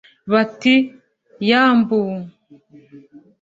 bati " yambu !"